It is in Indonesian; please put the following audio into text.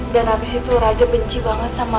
dan abis itu raja benci banget sama ibu aku